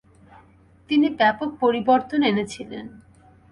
তিনি ব্যাপক পরিবর্তন এনেছিলেন।